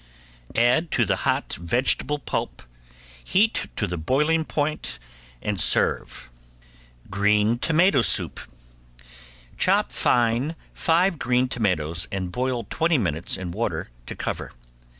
Add to the hot vegetable pulp, heat to the boiling point, and serve. ~GREEN TOMATO SOUP~ Chop fine five green tomatoes and boil twenty minutes in water to cover.